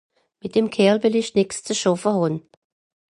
Mìt dem Kerl wìll ìch nìx ze schàffe hàn.